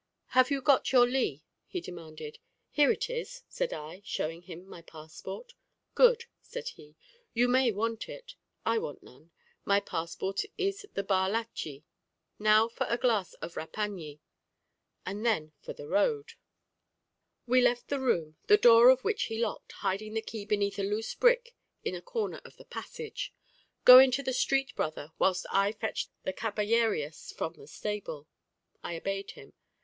"Have you got your li?" he demanded. "Here it is," said I, showing him my passport. "Good," said he; "you may want it, I want none: my passport is the bar lachí. Now for a glass of repañi, and then for the road." We left the room, the door of which he locked, hiding the key beneath a loose brick in a corner of the passage. "Go into the street, brother, whilst I fetch the caballerias from the stable." I obeyed him.